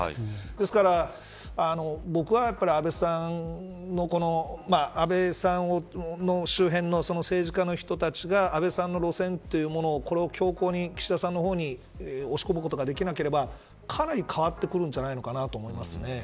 ですから僕は、安倍さんの周辺の政治家の人たちが安倍さんの路線というものを強行に岸田さんの方に押し込むことができなければかなり変わってくるんじゃないかと思います。